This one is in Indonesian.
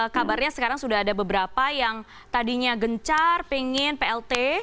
kabarnya sekarang sudah ada beberapa yang tadinya gencar pengen plt